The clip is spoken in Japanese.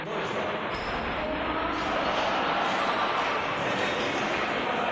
・全然「ギザ」とか言わない。